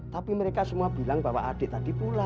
tapi mereka semua bilang bahwa adik tadi pulang